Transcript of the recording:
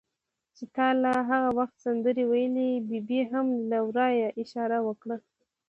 چې تا لا هغه وخت سندرې ویلې، ببۍ هم له ورایه اشاره وکړه.